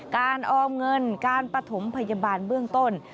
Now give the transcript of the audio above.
ออมเงินการปฐมพยาบาลเบื้องต้น